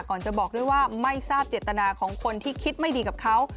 ก่อนจะบอกด้วยว่าไม่ทราบเจตนาของคนที่คิดไม่ดีกับเขา